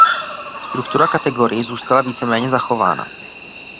Struktura kategorií zůstala víceméně zachována.